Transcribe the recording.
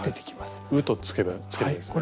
「う」とつければいいんですね。